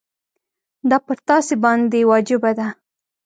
دا پر تاسي باندي واجبه ده.